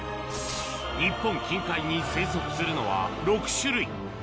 日本近海に生息するのは６種類。